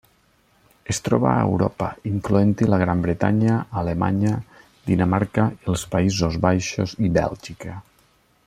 Es troba a Europa, incloent-hi la Gran Bretanya, Alemanya, Dinamarca, els Països Baixos i Bèlgica.